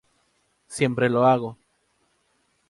Siempre lo hago.